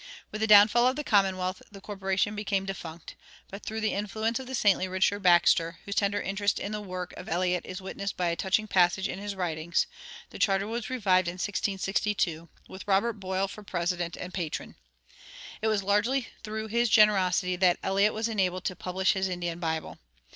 With the downfall of the Commonwealth the corporation became defunct; but through the influence of the saintly Richard Baxter, whose tender interest in the work of Eliot is witnessed by a touching passage in his writings, the charter was revived in 1662, with Robert Boyle for president and patron. It was largely through his generosity that Eliot was enabled to publish his Indian Bible.